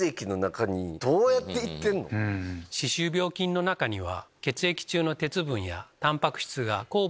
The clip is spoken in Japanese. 歯周病菌の中には。